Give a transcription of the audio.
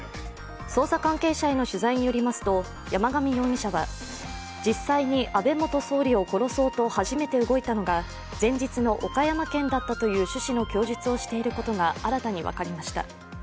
捜査関係者への取材によりますと、山上容疑者は実際に安倍元総理を殺そうと初めて動いたのが前日の岡山県だったという趣旨の供述をしていることが新たに分かりました。